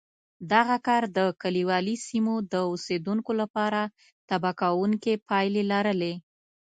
دغه کار د کلیوالي سیمو د اوسېدونکو لپاره تباه کوونکې پایلې لرلې